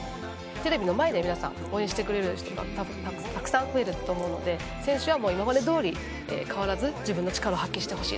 テレビの前で皆さん応援してくれる人が多分たくさん増えると思うので選手はもう今までどおり変わらず自分の力を発揮してほしいなっていう風に思います。